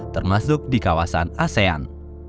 termasuk di kawasan asean